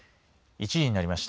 １時になりました。